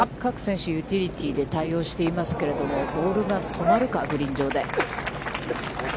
ボールを高く上げて、各選手、ユーティリティーで対応していますけど、ボールが止まるか、グリーン上で。